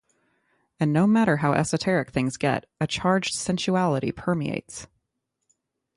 And no matter how esoteric things get, a charged sensuality permeates.